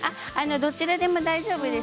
どちらでも大丈夫です。